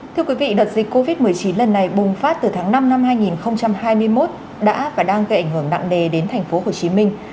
thưa quý vị đợt dịch covid một mươi chín lần này bùng phát từ tháng năm năm hai nghìn hai mươi một đã và đang gây ảnh hưởng nặng đề đến thành phố hồ chí minh